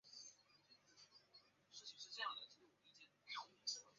第六任内阁为张善政内阁。